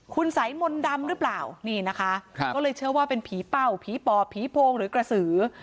คุณสายมนต์ดำหรือเปล่านี่นะคะก็เลยเชื่อว่าเป็นผีเป้าผีปอบผีโพงหรือกระสือ